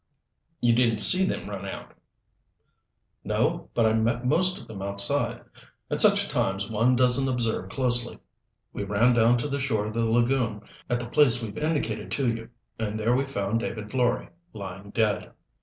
"You didn't see them run out?" "No, but I met most of them outside. At such times one doesn't observe closely. We ran down to the shore of the lagoon, at the place we've indicated to you, and there we found David Florey, lying dead.